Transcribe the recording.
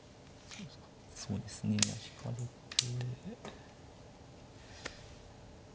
うんそうですね引かれて。